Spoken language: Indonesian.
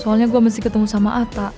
soalnya gue mesti ketemu sama atta